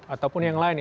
ataupun yang lain